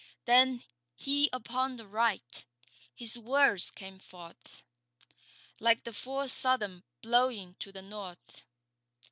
Then He upon the Right. His words came forth Like the full Southern blowing to the north.